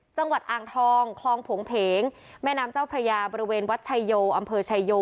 จังหวัดอ่างทองคลองผงเพงแม่น้ำเจ้าพระยาบริเวณวัดชายโยอำเภอชายโย